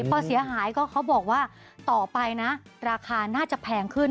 พอเสียหายก็เขาบอกว่าต่อไปนะราคาน่าจะแพงขึ้น